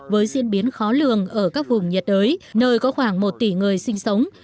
với diễn biến khó lường ở các vùng nhiệt đới nơi có khoảng một tỷ người sinh sống